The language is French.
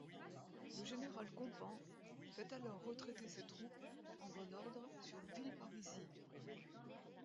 Le général Compans, fait alors retraiter ses troupes, en bon ordre, sur Villeparisis.